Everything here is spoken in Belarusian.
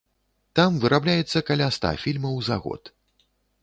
Там вырабляецца каля ста фільмаў за год.